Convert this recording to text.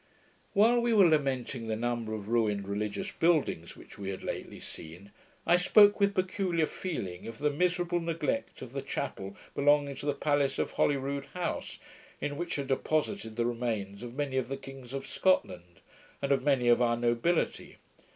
] While we were lamenting the number of ruined religious buildings which we had lately seen, I spoke with peculiar feeling to the miserable neglect of the chapel belonging to the palace of Holyrood House, in which are deposited the remains of many of the kings of Scotland, and of many of our nobility.